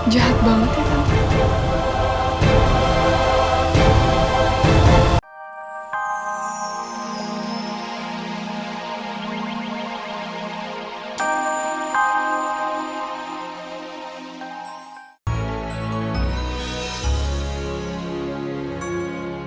jahat banget ya tante